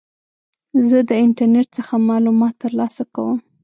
زه د انټرنیټ څخه معلومات ترلاسه کوم.